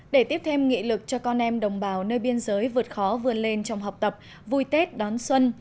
để tiếp thêm nghị lực cho con em đồng bào nơi biên giới vượt khó vươn lên trong học tập vui tết đón xuân